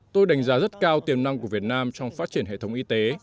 tôi đánh giá rất cao tiềm năng của việt nam trong phát triển hệ thống y tế